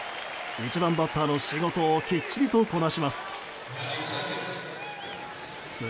１番バッターの仕事をきっちりとこなします。